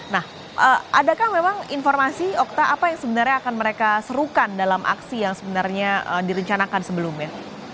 nah adakah memang informasi okta apa yang sebenarnya akan mereka serukan dalam aksi yang sebenarnya direncanakan sebelumnya